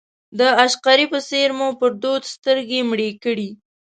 د عشقري په څېر مو پر دود سترګې مړې کړې.